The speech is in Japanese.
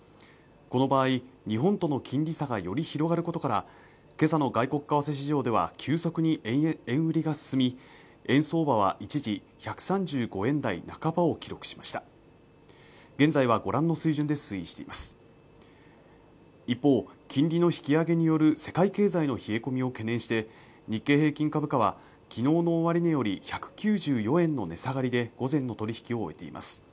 この場合日本との金利差がより広がることから今朝の外国為替市場では急速に円売りが進み円相場は一時１３５円台半ばを記録しました一方金利の引き上げによる世界経済の冷え込みを懸念して日経平均株価はきのうの終値より１９４円の値下がりで午前の取引を終えています